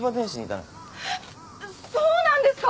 えっそうなんですか？